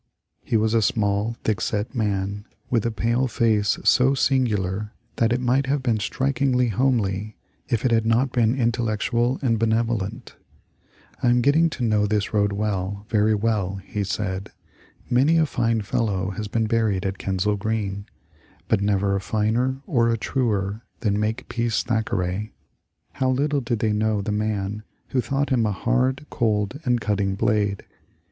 He was a small, thick set man, with a pale face so singular that it might have been strikingly homely if it had not been intellectual and benevolent. ^^ I am getting to know this road well — very well," he said. " Many a fine fellow has been buried at Kensal Green, but never a finer or a truer than Makepeace Thackeray. How little did they know the man who thought him a hard, cold, and cutting blade.